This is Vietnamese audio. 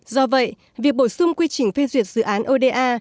do vậy việc bổ sung quy trình phê duyệt dự án oda